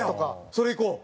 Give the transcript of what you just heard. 「それいこう」？